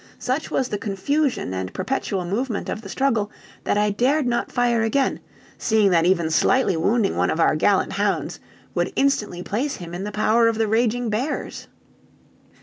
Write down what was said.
Such was the confusion and perpetual movement of the struggle, that I dared not fire again, seeing that even slightly wounding one of our gallant hounds would instantly place him in the power of the raging bears.